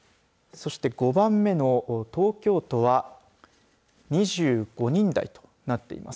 そして、５番目の東京都は２５人台となっています。